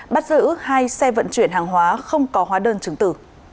bắt giữ hai xe vận chuyển hàng hóa không có hóa đơn chứng tử